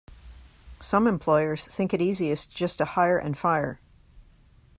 Some employers think it easiest just to hire and fire.